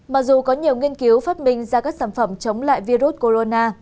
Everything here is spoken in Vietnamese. mặc dù có nhiều nghiên cứu phát minh ra các sản phẩm chống lại virus corona